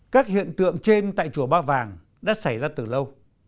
các hiện tượng trên tại chùa ba vàng đã xảy ra từ lâu